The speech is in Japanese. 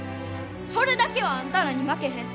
それだけはあんたらに負けへん。